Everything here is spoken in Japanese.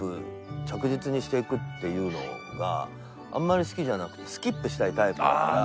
着実にしていくっていうのがあんまり好きじゃなくてスキップしたいタイプだから。